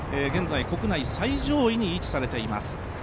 現在国内最上位に位置されています。